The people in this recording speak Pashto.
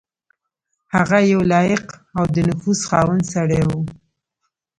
هغه یو لایق او د نفوذ خاوند سړی وو.